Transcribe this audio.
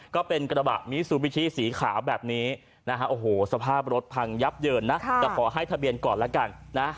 ก็เป็นกระบาดมิซูบิชิสีขาวแบบนี้สภาพรถพังยับเยินนะแต่ขอให้ทะเบียนก่อนแล้วกัน๕๒๘๕